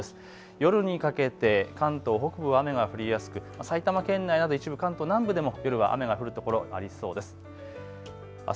夜にかけて、関東北部は雨が降りやすく、埼玉県内など一部、関東南部でも夜は雨が降るところがありそうです。